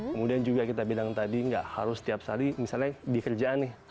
kemudian juga kita bilang tadi nggak harus setiap sali misalnya di kerjaan nih